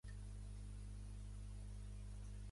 Ricardo cercava misteris profunds.